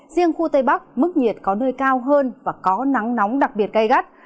riêng khu tây bắc mức nhiệt có nơi cao hơn và có nắng nóng đặc biệt gai gắt